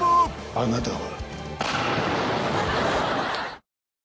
あなたは。